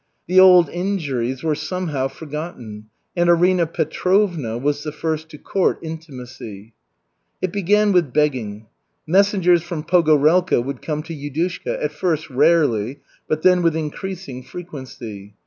The old injuries were somehow forgotten, and Arina Petrovna was the first to court intimacy. It began with begging. Messengers from Pogorelka would come to Yudushka, at first rarely, but then with increasing frequency.